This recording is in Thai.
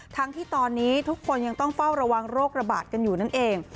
ทั้งที่ตอนนี้ทุกคนยังต้องเฝ้าระวังโรคระบาดกันอยู่นั่นเอง